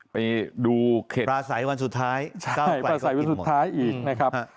ไปดูเขตปราศัยวันสุดท้ายเก้าไกรเขาก็อิ่มหมด